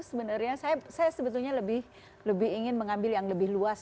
sebenarnya saya sebetulnya lebih ingin mengambil yang lebih luas